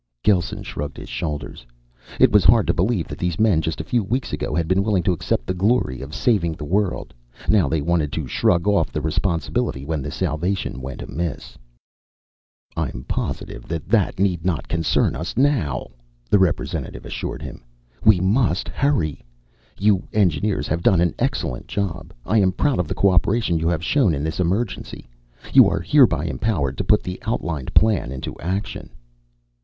Gelsen shrugged his shoulders. It was hard to believe that these men, just a few weeks ago, had been willing to accept the glory of saving the world. Now they wanted to shrug off the responsibility when the salvation went amiss. "I'm positive that that need not concern us now," the representative assured him. "We must hurry. You engineers have done an excellent job. I am proud of the cooperation you have shown in this emergency. You are hereby empowered to put the outlined plan into action."